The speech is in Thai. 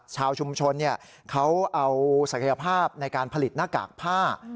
ชาวชุมชนเขาเอาศักยภาพในการผลิตหน้ากากผ้า